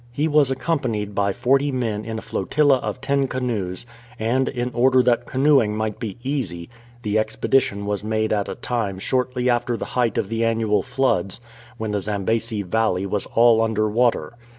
He was accompanied by forty men in a flotilla of ten canoes, and, in order that canoeing might be easy, the ex pedition was made at a time shortly after the height of the annual floods, when the Zambesi Valley was all under water.